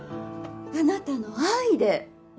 あなたの愛で！